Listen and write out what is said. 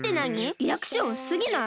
リアクションうすすぎない！？